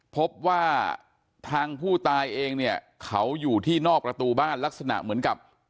พบว่าทางผู้ตายเองเนี่ยเขาอยู่ที่นอกประตูบ้านลักษณะเหมือนกับ